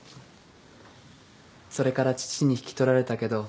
それから父に引き取られたけど